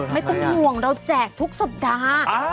ไม่ต้องห่วงเราแจกทุกสัปดาห์